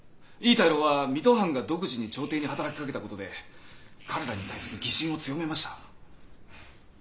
井伊大老は水戸藩が独自に朝廷に働きかけた事で彼らに対する疑心を強めました。